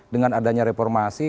dengan adanya reformasi